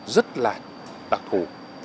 rất là đặc thù